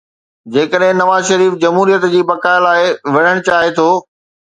جيڪڏهن نواز شريف جمهوريت جي بقاءَ لاءِ وڙهڻ چاهي ٿو.